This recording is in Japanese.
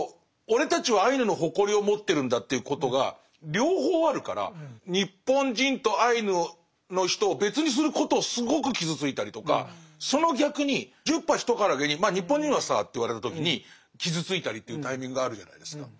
俺たちはアイヌの誇りを持ってるんだっていうことが両方あるから日本人とアイヌの人を別にすることをすごく傷ついたりとかその逆に十把一からげに「まあ日本人はさ」って言われた時に傷ついたりっていうタイミングがあるじゃないですか。